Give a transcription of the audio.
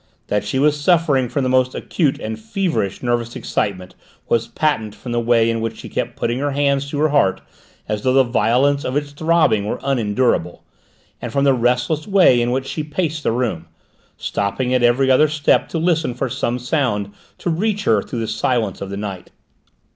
That she was suffering from the most acute and feverish nervous excitement was patent from the way in which she kept putting her hands to her heart as though the violence of its throbbing were unendurable, and from the restless way in which she paced the room, stopping at every other step to listen for some sound to reach her through the silence of the night.